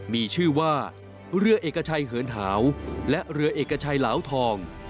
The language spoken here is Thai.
มีชื่อว่าเรือเอกชัยเหินหาวและเรือเอกชัยเหลาทอง